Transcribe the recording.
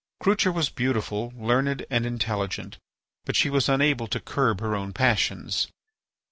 Crucha was beautiful, learned, and intelligent; but she was unable to curb her own passions.